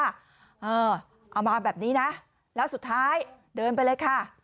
เอามาแบบนี้นะแล้วสุดท้ายเดินไปเลยค่ะ